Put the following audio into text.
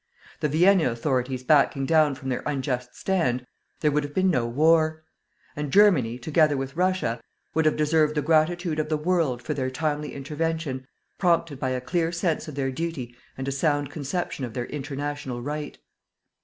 The Vienna Authorities backing down from their unjust stand, there would have been no war. And Germany, together with Russia, would have deserved the gratitude of the world for their timely intervention, prompted by a clear sense of their duty and a sound conception of their international right.